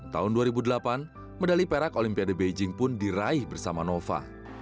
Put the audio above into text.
tahun dua ribu delapan medali perak olimpiade beijing pun diraih bersama nova